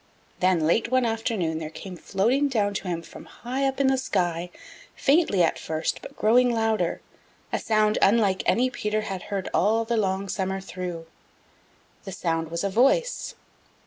Then, late one afternoon, there came floating down to him from high up in the sky, faintly at first but growing louder, a sound unlike any Peter had heard all the long summer through. The sound was a voice.